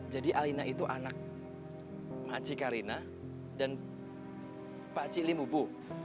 jadi alina itu anak makcik alina dan pakcik limubu